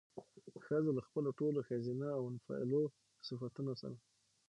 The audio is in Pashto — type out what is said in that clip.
ښځه له خپلو ټولو ښځينه او منفعلو صفتونو سره